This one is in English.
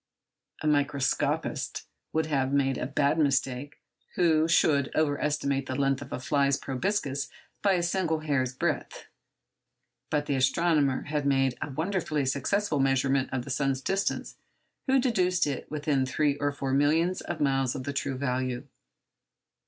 A microscopist would have made a bad mistake who should over estimate the length of a fly's proboscis by a single hair's breadth; but the astronomer had made a wonderfully successful measurement of the sun's distance who deduced it within three or four millions of miles of the true value.